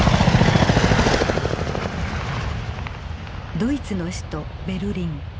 ドイツの首都ベルリン。